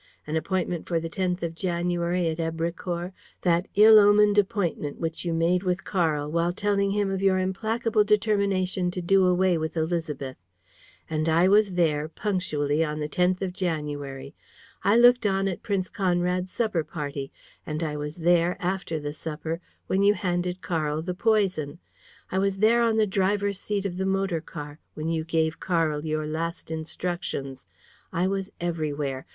An appointment for the 10th of January at Èbrecourt, that ill omened appointment which you made with Karl while telling him of your implacable determination to do away with Élisabeth. And I was there, punctually, on the 10th of January! I looked on at Prince Conrad's supper party! And I was there, after the supper, when you handed Karl the poison. I was there, on the driver's seat of the motor car, when you gave Karl your last instructions. I was everywhere!